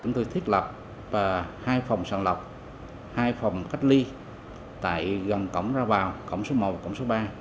chúng tôi thiết lập hai phòng sàng lọc hai phòng cách ly tại gần cổng ra vào cổng số một cổng số ba